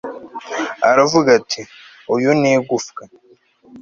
aravuga ati, uyu ni igufwa